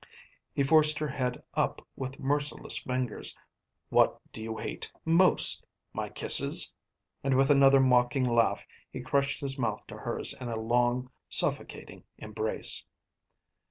He forced her head up with merciless fingers. "What do you hate most? my kisses?" and with another mocking laugh he crushed his mouth to hers in a long suffocating embrace.